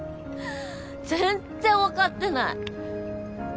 全然わかってない。